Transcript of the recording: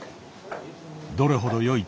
どれほど良い